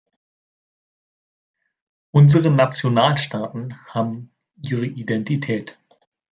Unsere Nationalstaaten haben ihre Identität.